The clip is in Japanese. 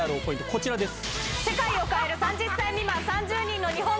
こちらです。